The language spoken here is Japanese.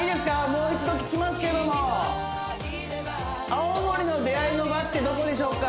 もう一度聞きますけども青森の出会いの場ってどこでしょうか？